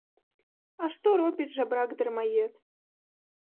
А што робіць жабрак-дармаед?